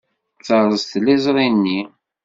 Terreẓ tiliẓri-nni.